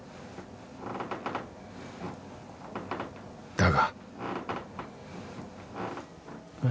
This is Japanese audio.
だが。